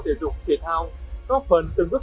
thể dục thể thao góp phần từng bước